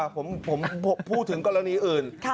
ผมพูดถึงกรณีอื่น